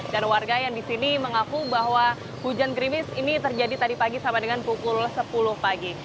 dan warga yang di sini mengaku bahwa hujan krimis ini terjadi tadi pagi sama dengan pukul sepuluh pagi